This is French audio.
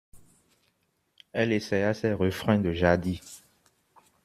Elle essaya ses refrains de jadis.